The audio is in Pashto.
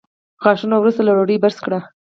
غاښونه وروسته له ډوډۍ برس کړئ